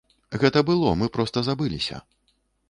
Гэта было, мы проста забыліся.